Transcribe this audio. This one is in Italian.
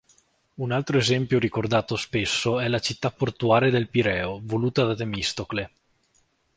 Un altro esempio ricordato spesso è la città portuale del Pireo, voluta da Temistocle.